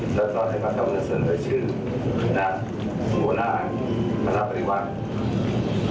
และตอบให้ประธรรมนักศึกษ์ชื่อนักสมุนาคนักภักดิ์วัฒน์